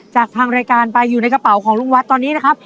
จากทางรายการไปอยู่ในกระเป๋าของลุงวัดตอนนี้นะครับ